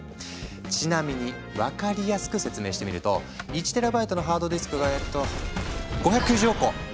ちなみに分かりやすく説明してみると１ＴＢのハードディスクがえっと５９０億個！